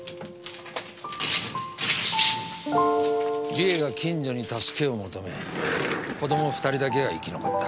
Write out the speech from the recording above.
理恵が近所に助けを求め子供２人だけが生き残った。